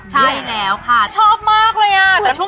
ใช่แล้วค่ะชอบมากเลยอ่ะ